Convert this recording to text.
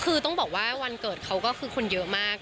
คือต้องบอกว่าวันเกิดเขาก็คือคนเยอะมาก